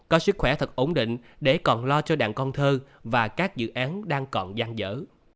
có sức khỏe thật ổn định để còn lo cho đàn con thơ và các dự án đang còn gian dở